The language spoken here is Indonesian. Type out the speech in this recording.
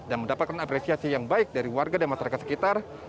dan mendapatkan apresiasi yang baik dari warga dan masyarakat sekitar